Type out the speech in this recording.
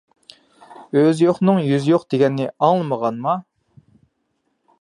ئۆزى يوقنىڭ يۈزى يوق دېگەننى ئاڭلىمىغانما؟